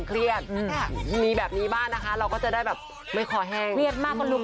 เอามาเอามาไหมไอ้เจ้านึง